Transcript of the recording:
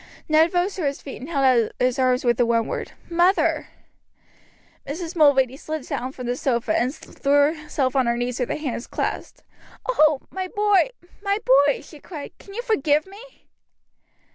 Ned rose to his feet and held out his arms with the one word "Mother!" Mrs. Mulready slid from the sofa and threw herself on her knees with her hands clasped. "Oh! my boy, my boy!" she cried, "can you forgive me?"